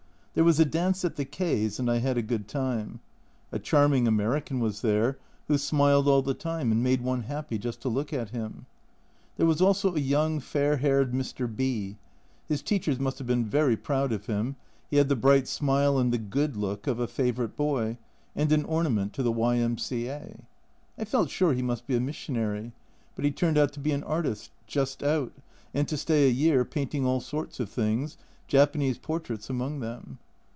There was a dance at the K 's, and I had a good time. A charming American was there, who smiled all the time and A Journal from Japan 157 made one happy just to look at him. There was also a young, fair haired Mr. B . His teachers must have been very proud of him ; he had the bright smile and the "good" look of a favourite boy, and an ornament to the Y.M.C.A. I felt sure he must be a missionary, but he turned out to be an artist, just out, and to stay a year, painting all sorts of things, Japanese portraits among them.